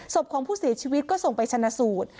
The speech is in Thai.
ศพของผู้เสียชีวิตก็ส่งไปชนะสูตร